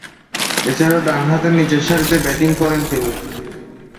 এছাড়াও, ডানহাতে নিচেরসারিতে ব্যাটিং করেন তিনি।